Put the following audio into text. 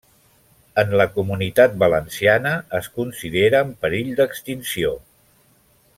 En la Comunitat Valenciana es considera en perill d'extinció.